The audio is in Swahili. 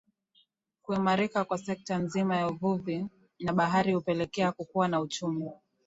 Kuimarika kwa sekta nzima ya uvuvi na bahari hupelekea kukuwa kwa uchumi